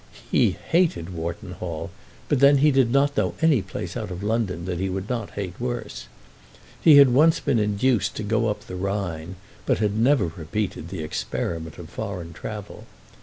He hated Wharton Hall, but then he did not know any place out of London that he would not hate worse. He had once been induced to go up the Rhine, but had never repeated the experiment of foreign travel.